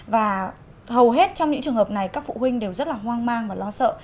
và hầu hết trong những trường hợp này các phụ huynh đều rất là hoang mang và lo sợ